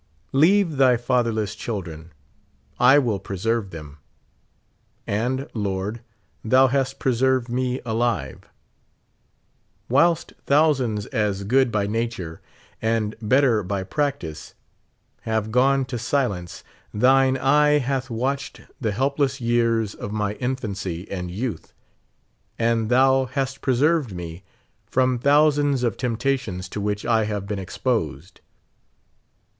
"Leave thy fatherless children, I will preserve them." And. Lord, thou hast preserved me alive. Whilst thous ands as good by nature, and better by practice, have gone to silence, thine eye hath watched the helpless years of my infancy and youth, and thou hast preserved me from thousands of temptations to which I have been ex posed.